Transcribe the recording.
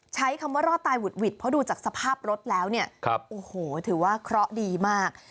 ใช้คำว่ารอดตายหุดหวิดเพราะดูจากสภาพรถแล้วเนี่ยโอ้โหถือว่าเคราะห์ดีมาก